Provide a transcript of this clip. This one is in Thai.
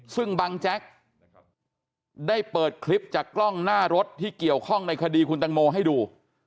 ซึ่งบังแจ๊กได้เปิดคลิปจากกล้องหน้ารถที่เกี่ยวข้องในคดีคุณตังโมให้ดู